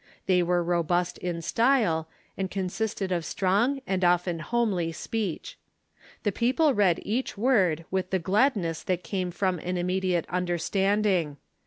They were robust in style, and con sisted of strong and often homely speech. The people read each word with the gladness that came from an immediate understanding.